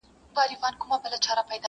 خو ذهن کي يې شته ډېر،